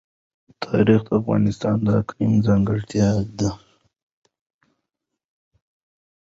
تاریخ د افغانستان د اقلیم ځانګړتیا ده.